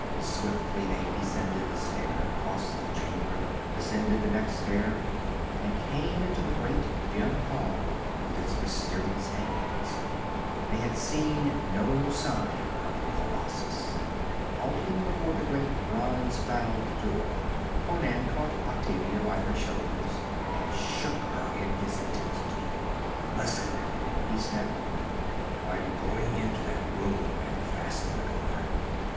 Swiftly they descended the stair, crossed the chamber, descended the next stair, and came into the great dim hall with its mysterious hangings. They had seen no sign of the colossus. Halting before the great bronze valved door, Conan caught Octavia by her shoulders and shook her in his intensity. 'Listen!' he snapped. 'I'm going into that room and fasten the door.